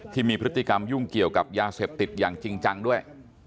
ที่มีพฤติกรรมยุ่งเกี่ยวกับยาเสพติดอย่างจริงจังด้วย